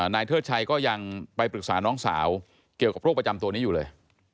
เทิดชัยก็ยังไปปรึกษาน้องสาวเกี่ยวกับโรคประจำตัวนี้อยู่เลย